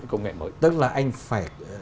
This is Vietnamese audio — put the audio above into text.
cái công nghệ mới tức là anh phải